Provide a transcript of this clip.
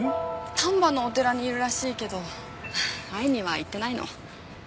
丹波のお寺にいるらしいけど会いには行ってないの。